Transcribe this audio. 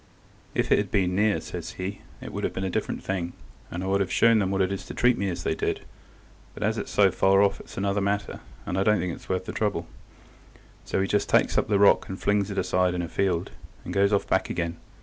"If it had been near," says he, "it would have been a different thing, and I would have shown them what it is to treat me as they did, but as it's so far off it's another matter, and I don't think it's worth the trouble." So he just takes up the rock and flings it aside in a field, and goes off back again.